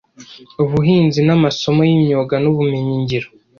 ubuhinzi n’amasomo y’imyuga n’ubumenyi ngiro